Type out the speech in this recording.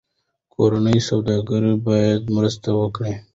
کورني سوداګر باید مرسته وکړي.